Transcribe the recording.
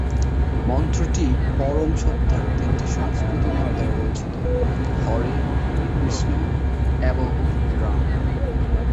মন্ত্রটি পরম সত্তার তিনটি সংস্কৃত নাম দ্বারা রচিত; "হরে," "কৃষ্ণ," এবং "রাম।"